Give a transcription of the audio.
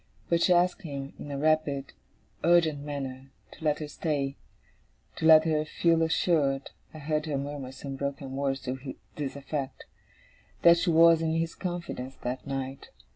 But she asked him, in a rapid, urgent manner, to let her stay to let her feel assured (I heard her murmur some broken words to this effect) that she was in his confidence that night.